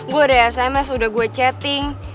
gue ada sms udah gue chatting